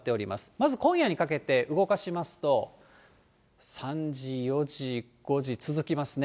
まず今夜にかけて動かしますと、３時、４時、５時、続きますね。